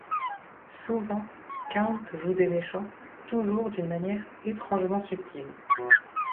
Souvent, Count joue des méchants, toujours d'une manière étrangement subtile.